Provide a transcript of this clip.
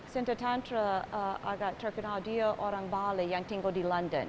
sinter tantra agak terkenal dia orang bali yang tinggal di london